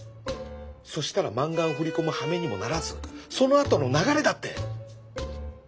そしたら満貫振り込むはめにもならずそのあとの流れだって！